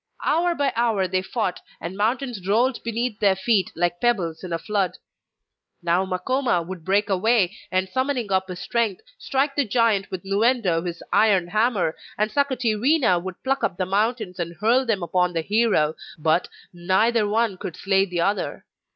Hour by hour they fought, and mountains rolled beneath their feet like pebbles in a flood; now Makoma would break away, and summoning up his strength, strike the giant with Nu endo his iron hammer, and Sakatirina would pluck up the mountains and hurl them upon the hero, but neither one could slay the other.